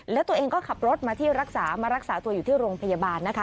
แล้วตัวเองก็ขับรถมาที่รักษามารักษาตัวอยู่ที่โรงพยาบาลนะคะ